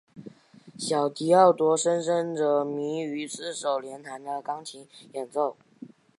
小狄奥多深深着迷于四手联弹的钢琴演奏。